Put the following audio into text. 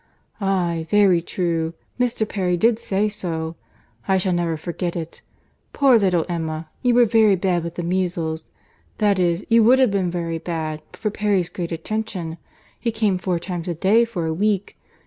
"Aye, very true. Mr. Perry did say so. I shall never forget it. Poor little Emma! You were very bad with the measles; that is, you would have been very bad, but for Perry's great attention. He came four times a day for a week.